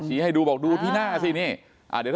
ให้ดูบอกดูที่หน้าสินี่